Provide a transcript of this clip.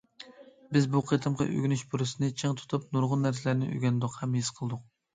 بىز بۇ قېتىمقى ئۆگىنىش پۇرسىتىنى چىڭ تۇتۇپ نۇرغۇن نەرسىلەرنى ئۆگەندۇق ھەم ھېس قىلدۇق.